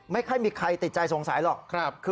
ไม่ค่อยมีใครติดใจสงสัยหรอก